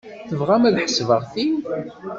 Tebɣam ad ḥesbeɣ ti?